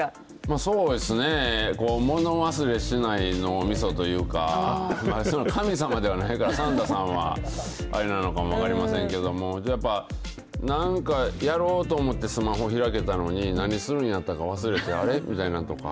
そうですね、もの忘れしない脳みそというか、そういうの、神様ではないから、サンタさんはあれなのかも分かりませんけれども、やっぱ、なんかやろうと思って、スマホ開けたのに、何するんやったか忘れて、あれ？みたいなんとか。